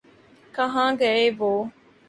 کہاں گئے وہ؟